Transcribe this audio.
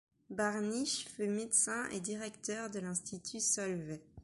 Barnich fut médecin et directeur de l'Institut Solvay.